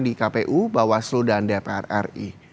di kpu bawaslu dan dpr ri